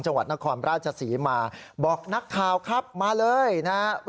จังหวัดนครราชศรีมาบอกนักข่าวครับมาเลยนะครับ